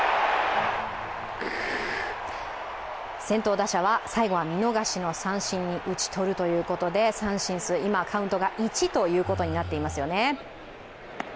先頭打者は最後は見逃しの三振に打ち取るということで三振数、今、カウントが１ということになっています。